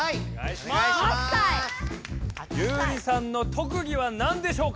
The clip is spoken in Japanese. ユウリさんの特技はなんでしょうか？